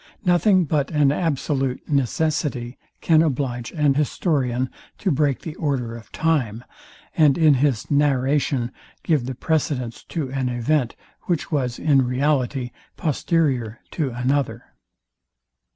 Nothing but an absolute necessity can oblige an historian to break the order of time, and in his narration give the precedence to an event, which was in reality posterior to another.